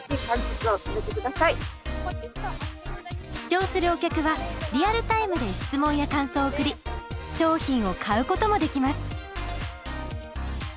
視聴するお客はリアルタイムで質問や感想を送り商品を買うこともできます。